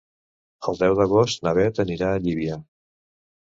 El deu d'agost na Bet anirà a Llívia.